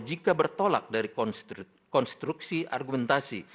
jika bertolak dari konstruksi argumentasi